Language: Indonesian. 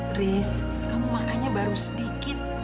tris kamu makannya baru sedikit